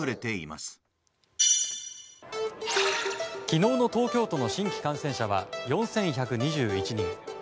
昨日の東京都の新規感染者は４１２１人。